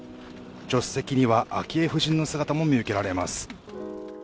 助手席には昭恵夫人の姿も見受けられます。